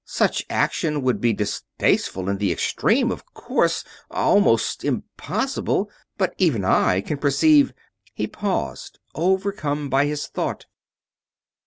"Such action would be distasteful in the extreme, of course almost impossible but even I can perceive...." He paused, overcome by his thought.